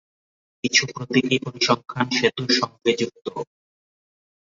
কিছু প্রতীকী পরিসংখ্যান সেতুর সঙ্গে যুক্ত।